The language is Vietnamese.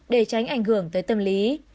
để tránh ảnh hưởng tới tâm lý